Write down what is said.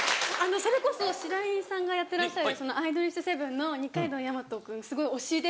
それこそ白井さんがやってらっしゃる『アイドリッシュセブン』の二階堂大和君すごい推しで。